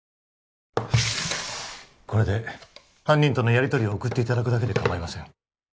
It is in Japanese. これで犯人とのやりとりを送っていただくだけでかまいません